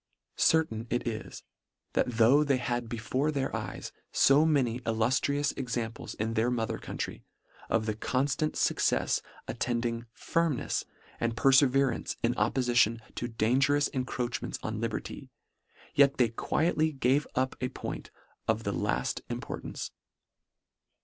115 " Certain it is, that though they had be fore their eyes fo many illuftrious examples in their mother country, of the conftant fuc cefs attending firmnefs and perfeverance in oppoiition to dangerous encroachments on liberty, yet they quietly gave up a point of the lafl importance.